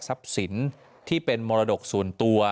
ทรัพซินที่เป็นมรดกสุนตัว